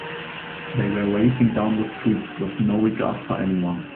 They were racing down the streets with no regard for anyone.